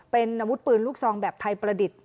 เป็นอาวุธปืนลูกซองแบบไทยประดิษฐ์